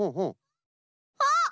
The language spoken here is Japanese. あっ！